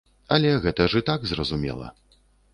Але гэта ж і так зразумела.